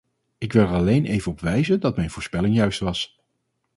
Ik wil er alleen even op wijzen dat mijn voorspelling juist was.